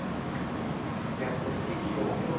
いやこれ結構今日。